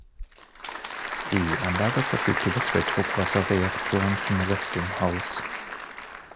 Die Anlage verfügt über zwei Druckwasserreaktoren von Westinghouse.